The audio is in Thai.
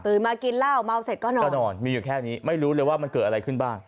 มากินเหล้าเมาเสร็จก็นอนก็นอนมีอยู่แค่นี้ไม่รู้เลยว่ามันเกิดอะไรขึ้นบ้าง